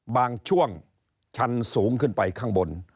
บางช่วงชันสูงขึ้นไปข้างบน